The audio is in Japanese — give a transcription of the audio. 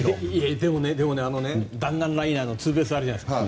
でも、弾丸ライナーのツーベースあるじゃないですか。